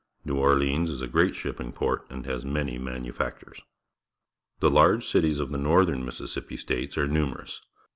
New Orleans is a great shipping port and has many manufactures. The large cities of the Northern Mississippi States are numerous.